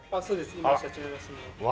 今社長やらせてもらってます。